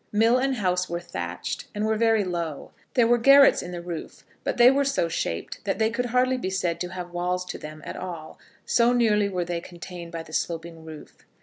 Mill and house were thatched, and were very low. There were garrets in the roof, but they were so shaped that they could hardly be said to have walls to them at all, so nearly were they contained by the sloping roof.